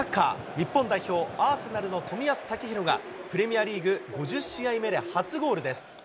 日本代表、アーセナルの冨安健洋が、プレミアリーグ５０試合目で初ゴールです。